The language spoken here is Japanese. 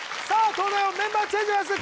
東大王メンバーチェンジです